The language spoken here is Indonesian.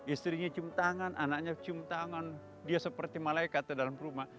istrinya cium tangan anaknya cium tangan dia seperti malaikat di dalam rumah